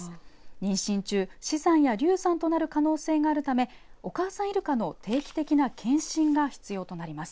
妊娠中、死産や流産となる可能性があるためお母さんいるかの定期的な検診が必要となります。